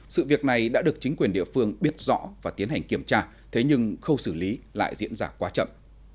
sự việc này đã được chính quyền địa phương biết rõ và tiến hành kiểm tra thế nhưng khâu xử lý lại diễn ra quá chậm